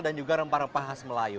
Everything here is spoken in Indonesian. dan juga rempah rempah khas melayu